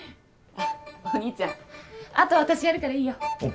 あっお兄ちゃん後私やるからいいよ。